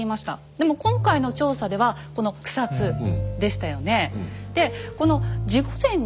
でも今回の調査ではこの草津でしたよね。